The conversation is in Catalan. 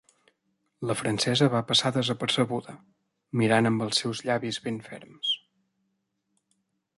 La francesa va passar desapercebuda, mirant amb els seus llavis ben ferms.